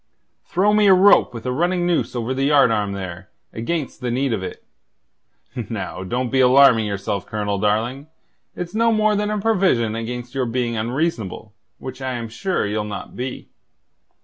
"Throw me a rope with a running noose over the yardarm there, against the need of it. Now, don't be alarming yourself, Colonel, darling. It's no more than a provision against your being unreasonable, which I am sure ye'll not be.